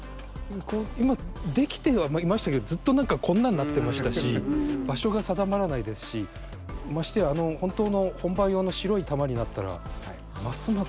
今できてはいましたけどずっと何かこんなんなってましたし場所が定まらないですしましてや本当の本番用の白い球になったらますます。